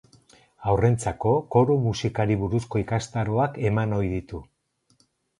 Haurrentzako koru musikari buruzko ikastaroak eman ohi ditu.